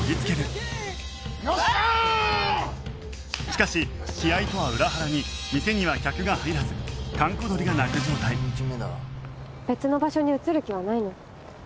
しかし気合とは裏腹に店には客が入らず閑古鳥が鳴く状態別の場所に移る気はないの？